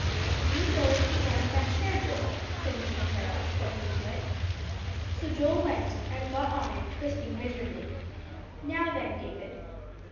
"You go and sit down in that chair, Joel," said Mr. Harrow, pointing to it. So Joel went, and got on it, twisting miserably. "Now, then, David."